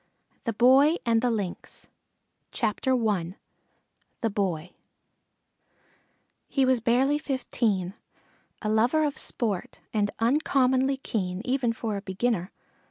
THE BOY AND THE LYNX I THE BOY He was barely fifteen, a lover of sport and uncommonly keen, even for a beginner.